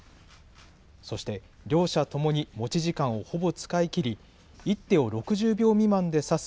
そして両者ともに持ち時間をほぼ使いきり１手を６０秒未満で指す